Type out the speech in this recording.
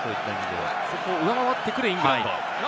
そこを上回ってくるイングランド。